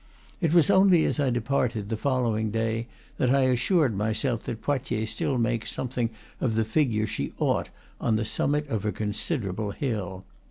It was only as I departed, the following day, that I assured myself that Poitiers still makes something of the figure she ought on the summit of her consider able bill.